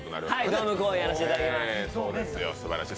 ドーム公演やらせていただきます。